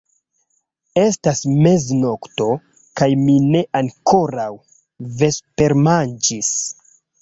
Estas meznokto, kaj mi ne ankoraŭ vespermanĝis.